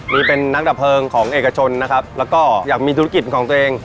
นี่เป็นนักดับเพลิงของเอกชนนะครับแล้วก็อยากมีธุรกิจของตัวเอง